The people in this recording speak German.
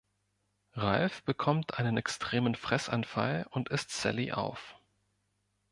Ralph bekommt einen extremen Fressanfall und isst Sally auf.